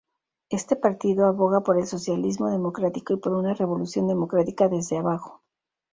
Este partido aboga por el socialismo democrático y por una revolución democrática desde abajo.